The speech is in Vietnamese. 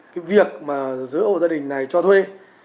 cái việc mà giới hộ gia đình này cho thuê